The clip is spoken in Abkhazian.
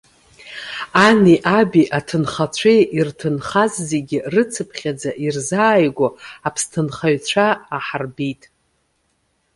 Ани, аби, аҭынхацәеи ирҭынхаз зегьы рыцыԥхьаӡа ирзааигәоу аԥсҭынхаҩцәа аҳарбеит.